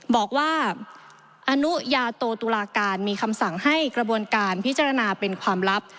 บอกว่าอนุญาโตตุลาการมีคำสั่งให้กระบวนการพิจารณาเป็นความลับ